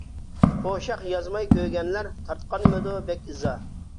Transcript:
قوشاق يازماي كۆگەنلەر، تارتقانمىدۇ بەك ئىزا.